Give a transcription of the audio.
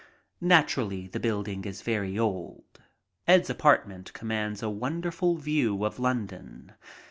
Naturally, the building is very old. Ed's apartment com mands a wonderful view of London.